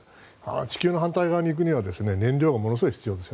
地球の反対側に行くには燃料がものすごい必要です。